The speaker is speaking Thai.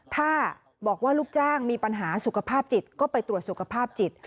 ถ้าบอกว่าลูกจ้างมีปัญหาสุขภาพจิตก็ไปตรวจสุขภาพจิต